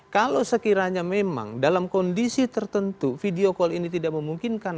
kalau sekiranya memang dalam kondisi tertentu video call ini tidak memungkinkan